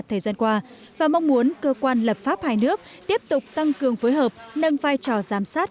thời gian qua và mong muốn cơ quan lập pháp hai nước tiếp tục tăng cường phối hợp nâng vai trò giám sát